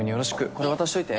これ渡しといて。